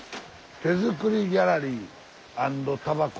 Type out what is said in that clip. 「手作りギャラリー＆たばこ」。